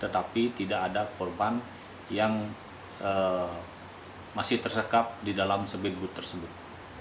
tetapi tidak ada korban yang masih tersekap di dalam sebegit tersebut